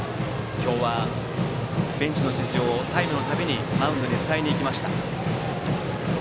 今日はベンチの指示をタイムのたびにマウンドに伝えにいきました。